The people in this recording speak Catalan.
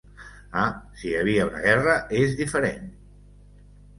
Ah, si hi havia una guerra és diferent.